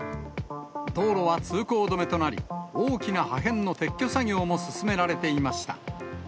道路は通行止めとなり、大きな破片の撤去作業も進められていました。